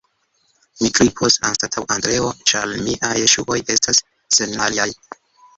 mi grimpos anstataŭ Andreo, ĉar miaj ŝuoj estas sennajlaj.